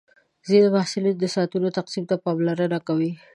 ځینې محصلین د ساعتونو تقسیم ته پاملرنه کوي.